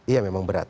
iya memang berat